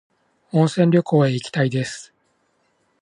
温泉旅行へ行きたいです。